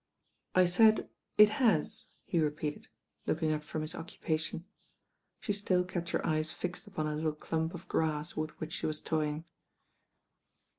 "I said it has," he repeated, looking up from his occupation. She still kept her eyes fixed upon a little clump of grass with which she was toying.